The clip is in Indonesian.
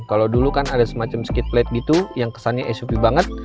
kalau dulu kan ada semacam skate plate gitu yang kesannya suv banget